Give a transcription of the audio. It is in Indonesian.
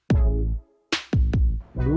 masjid babah alun